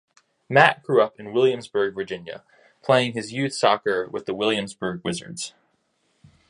Matt grew up in Williamsburg, Virginia playing his youth soccer with the Williamsburg Wizards.